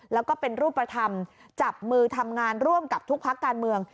แล้วก็เป็นรูปธรรมจับมือทำงานร่วมกับทุกพักการเมือง